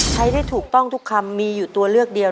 ให้ได้ถูกต้องทุกคำมีอยู่ตัวเลือกเดียว